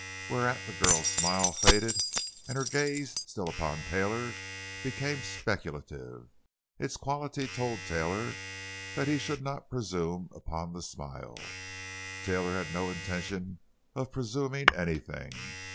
Whereat the girl's smile faded, and her gaze, still upon Taylor, became speculative. Its quality told Taylor that he should not presume upon the smile. Taylor had no intention of presuming anything.